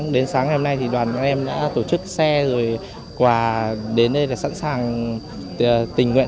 đến sáng hôm nay đoàn em đã tổ chức xe rồi quà đến đây là sẵn sàng tình nguyện